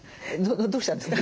どうしたんですか？